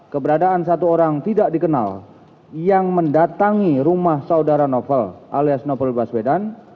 keberadaan satu orang tidak dikenal yang mendatangi rumah saudara novel alias novel baswedan